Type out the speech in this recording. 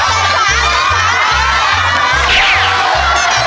ขอบคุณครับ